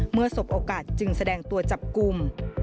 สบโอกาสจึงแสดงตัวจับกลุ่ม